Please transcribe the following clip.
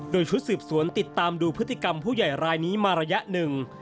โดยชุดสืบสวนติดตามดูพฤติกรรมผู้ใหญ่รายนี้มาระยะหนึ่ง